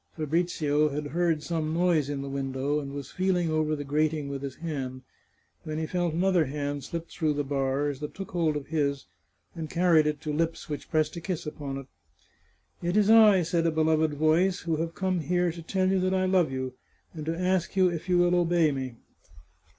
Fabrizio had heard some noise in the win dow, and was feeling over the grating with his hand, when he felt another hand slipped through the bars, that took hold of his, and carried it to lips which pressed a kiss upon it. " It is I," said a beloved voice, " who have come here to tell you that I love you, and to ask you if you will obey me."